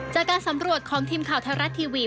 จากการสำรวจของทีมข่าวไทยรัฐทีวี